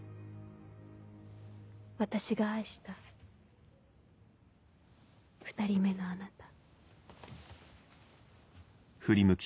私が愛した２人目のあなた」。